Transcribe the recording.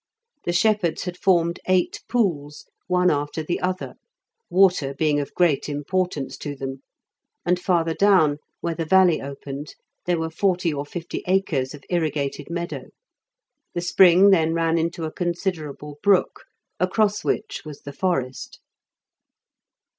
The shepherds had formed eight pools, one after the other, water being of great importance to them; and farther down, where the valley opened, there were forty or fifty acres of irrigated meadow. The spring then ran into a considerable brook, across which was the forest.